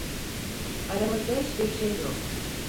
Aramızda hiçbir şey yok.